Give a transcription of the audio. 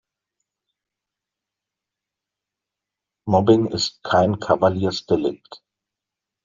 Mobbing ist kein Kavaliersdelikt.